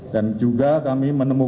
dan juga kami menemukan